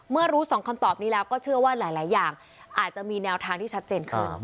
เมื่อรู้สองคำตอบนี้แล้วก็เชื่อว่าหลายอย่างอาจจะมีแนวทางที่ชัดเจนขึ้น